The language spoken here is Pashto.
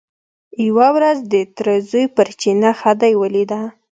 یوه ورځ د تره زوی پر چینه خدۍ ولیده.